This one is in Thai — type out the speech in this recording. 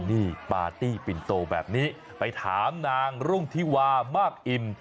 นี่ปาร์ตี้ปินโตแบบนี้ไปถามนางรุ่งธิวามากอิ่ม